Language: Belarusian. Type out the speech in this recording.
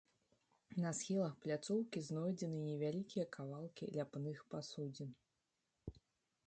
На схілах пляцоўкі знойдзены невялікія кавалкі ляпных пасудзін.